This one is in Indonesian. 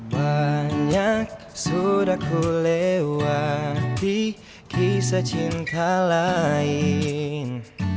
banyak sudah ku lewati kisah cinta lain